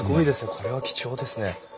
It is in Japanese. これは貴重ですね。